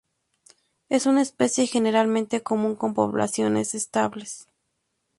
Es una especie generalmente común, con poblaciones estables.